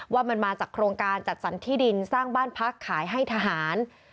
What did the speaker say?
ว่ามันมาจากโครงการจัดสรรที่ดินสร้างบ้านพักขายให้ทหาร